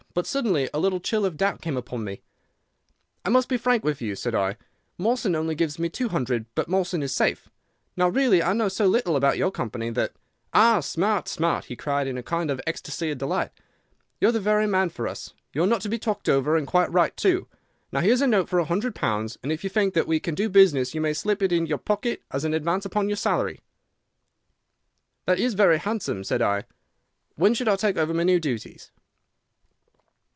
But suddenly a little chill of doubt came upon me. "'I must be frank with you,' said I. 'Mawson only gives me two hundred, but Mawson is safe. Now, really, I know so little about your company that—' "'Ah, smart, smart!' he cried, in a kind of ecstasy of delight. 'You are the very man for us. You are not to be talked over, and quite right, too. Now, here's a note for a hundred pounds, and if you think that we can do business you may just slip it into your pocket as an advance upon your salary.' "'That is very handsome,' said I. 'When should I take over my new duties?